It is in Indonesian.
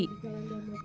pengendara sepeda motor